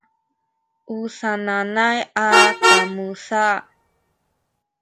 u sananay a kamu sa